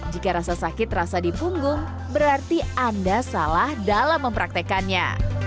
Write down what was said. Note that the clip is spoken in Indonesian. jika rasa sakit rasa di punggung berarti anda salah dalam mempraktekannya